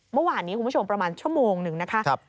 เมื่อวานนี้คุณผู้ชมประมาณชั่วโมงหนึ่งนะคะ